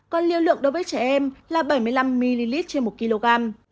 còn liều lượng đối với trẻ em là bảy mươi năm ml trên một kg